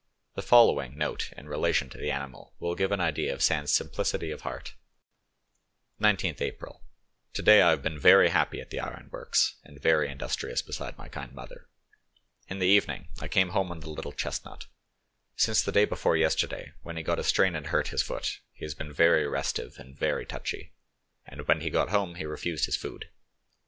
The following note, in relation to the animal, will give an idea of Sand's simplicity of heart:— "19th April "To day I have been very happy at the ironworks, and very industrious beside my kind mother. In the evening I came home on the little chestnut. Since the day before yesterday, when he got a strain and hurt his foot, he has been very restive and very touchy, and when he got home he refused his food.